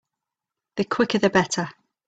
The quicker the better.